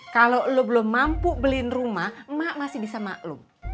kalau lo belum mampu beliin rumah emak masih bisa maklum